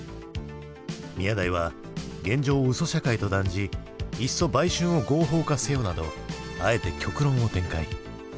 宮台は現状を嘘社会と断じ「いっそ売春を合法化せよ」などあえて極論を展開。